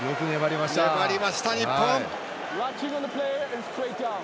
粘りました、日本。